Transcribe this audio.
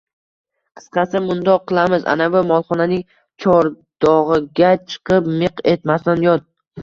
– Qisqasi, mundoq qilamiz, anavi molxonaning chordog‘iga chiqib, miq etmasdan yot